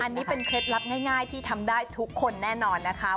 อันนี้เป็นเคล็ดลับง่ายที่ทำได้ทุกคนแน่นอนนะคะ